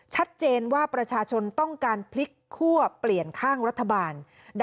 ชัดเจนว่าประชาชนต้องการพลิกคั่วเปลี่ยนข้างรัฐบาล